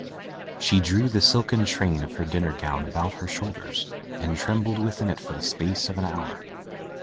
She drew the silken train of her dinner gown about her shoulders and trembled within it for the space of an hour.